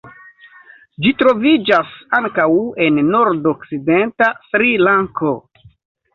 Ĝi troviĝas ankaŭ en nordokcidenta Sri-Lanko.